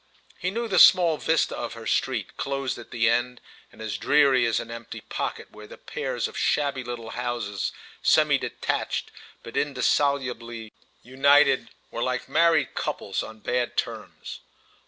He knew the small vista of her street, closed at the end and as dreary as an empty pocket, where the pairs of shabby little houses, semi detached but indissolubly united, were like married couples on bad terms.